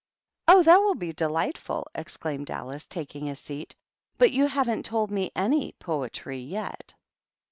" Oh, that will be delightful !" exclaimed Alice, taking a seat. "But you haven't told me any poetry yet."